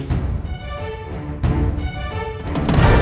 sintia memalsukan kehamilannya